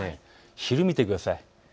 昼見て、ください。